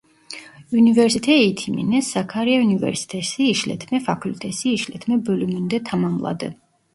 Üniversite eğitimine Sakarya Üniversitesi İşletme Fakültesi İşletme Bölümünde tamamladı.